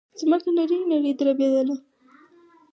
ځمکه نرۍ نرۍ دربېدله.